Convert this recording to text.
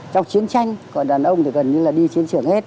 trong chiến tranh còn đàn ông thì gần như là đi chiến trường hết